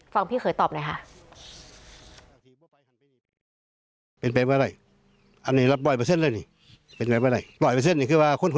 พี่เขยตอบหน่อยค่ะ